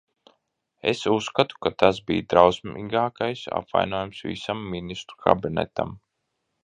Es uzskatu, ka tas bija drausmīgākais apvainojums visam Ministru kabinetam.